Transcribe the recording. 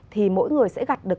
thì mỗi người sẽ gạt được